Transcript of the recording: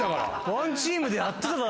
ワンチームでやってただろ。